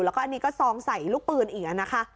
แล้วก็อันนี้ก็ซองใส่ลูกปืนอีกนะคะ